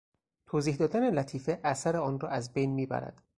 توضیح دادن لطیفه اثر آن را ازبین میبرد.